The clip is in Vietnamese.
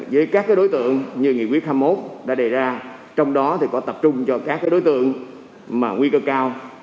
với các cái đối tượng như nghị quyết hai mươi một đã đề ra trong đó thì có tập trung cho các cái đối tượng mà nguy cơ cao